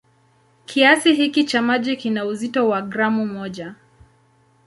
Kiasi hiki cha maji kina uzito wa gramu moja.